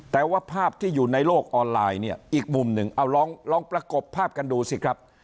แต่ว่าภาพที่อยู่ในโลกออนไลน์เนี่ยอีกมุมหนึ่งเอาลองประกบภาพกันดูสิครับ